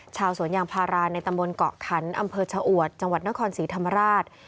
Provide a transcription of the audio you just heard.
ชาวสวนยางพาราในตำบลเกาะขันอำเภอชะอวดจังหวัดนครศรีธรรมราช